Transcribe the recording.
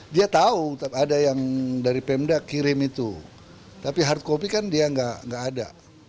dia tahu ada yang dari pemda kirim itu tapi hard copy kan dia nggak ada